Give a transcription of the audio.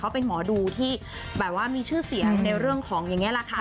เขาเป็นหมอดูที่แบบว่ามีชื่อเสียงในเรื่องของอย่างนี้แหละค่ะ